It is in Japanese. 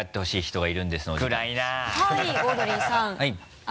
はい。